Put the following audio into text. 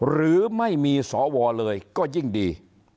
หรือไม่มีสวเลยก็ยิ่งดี